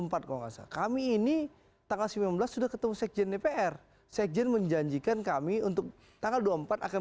kalau nggak salah kami ini tanggal sembilan belas sudah ketemu sekjen dpr sekjen menjanjikan kami untuk tanggal dua puluh empat akan